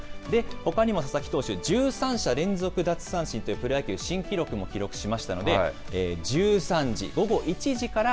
ほかにも佐々木投手、１３者連続奪三振というプロ野球新記録も記録しましたので、１３時、午後１時から、